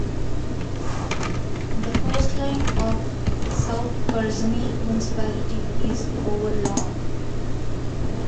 The coastline of South Kurzeme Municipality is over long.